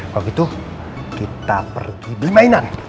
kalau gitu kita pergi beli mainan